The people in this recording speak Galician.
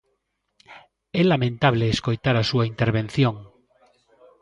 É lamentable escoitar a súa intervención.